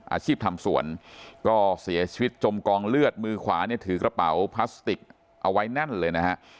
อาชีพทำสวนก็เสียชีวิตจมกองเลือดมือขวาเนี่ยถือกระเป๋าพลาสติกเอาไว้แน่นเลยนะฮะ